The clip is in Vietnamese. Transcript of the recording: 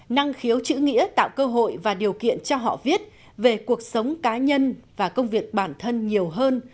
năng khiếu chữ nghĩa tạo cơ hội và điều kiện cho họ viết về cuộc sống cá nhân và công việc bản thân nhiều hơn